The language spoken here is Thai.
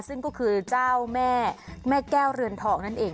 ซึ่งก็คือเจ้าแม่แม่แก้วเรือนทองนั่นเอง